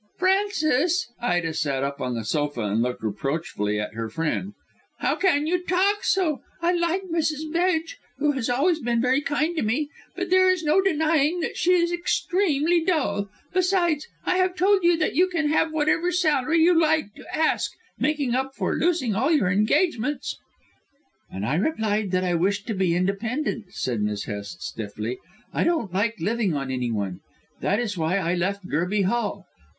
"Frances," Ida sat up on the sofa and looked reproachfully at her friend, "how can you talk so? I like Mrs. Bedge, who has always been very kind to me, but there is no denying that she is extremely dull. Besides, I have told you that you can have whatever salary you like to ask to make up for losing all your engagements." "And I replied that I wished to be independent," said Miss Hest stiffly; "I don't like living on anyone. That is why I left Gerby Hall.